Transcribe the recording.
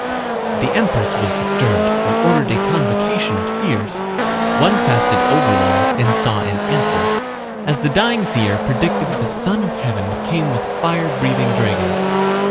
The empress was disturbed and ordered a convocation of seers. One fasted overlong and saw an answer. As the dying seer predicted the Son of Heaven came with fire breathing dragons.